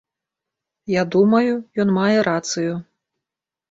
Я думаю, ён мае рацыю.